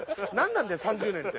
なんだよ「３０年」って。